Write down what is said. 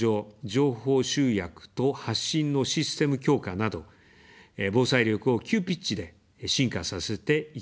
情報集約と発信のシステム強化など、防災力を急ピッチで進化させていきます。